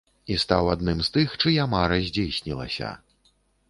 І стаў адным з тых, чыя мара здзейснілася.